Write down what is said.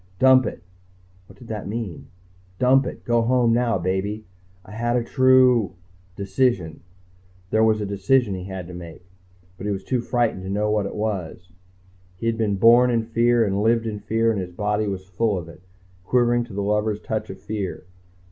Dump it.... What did that mean? Dump it ... go home now, baby ... I had a true ... Decision ... there was a decision he had to make, but he was too frightened to know what it was. He had been born in fear and lived in fear and his body was full of it, quivering to the lover's touch of fear.